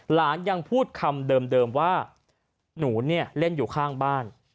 หลานยังพูดคำเดิมว่าหนูเนี่ยเล่นอยู่ข้างบ้าน